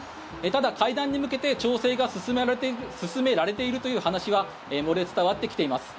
ただ、会談に向けて調整が進められているという話は漏れ伝わってきています。